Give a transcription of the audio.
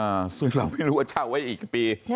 เอ่อซึ่งเราไม่รู้ว่าเช่าไว้อีกปี